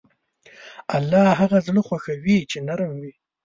الله هغه زړه خوښوي چې نرم وي.